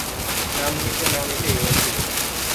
নাম নিতে না নিতেই ও এসে গেছে।